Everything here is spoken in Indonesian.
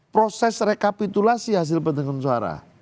proses rekapitulasi hasil penghitungan suara